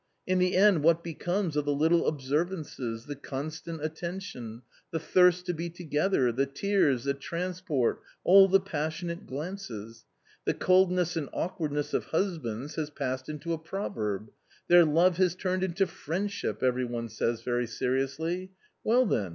In the end what becomes of the little observances, the constant attention, the thirst to be together, the tears, the transport, all the passionate glances ? The coldness and awkwardness of husbands has passed into a proverb. 'Their love has turned into friendship !' every one says very seriously ; well then